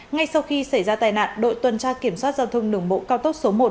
ngay sau khi xảy ra tai nạn đội tuần tra kiểm soát giao thông đường bộ cao tốc số một